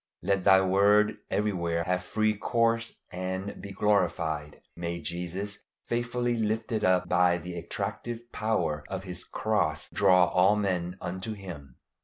Let Thy word everywhere have free course and be glorified. May Jesus, faithfully "lifted up" by the attractive power of his cross, draw all men unto him.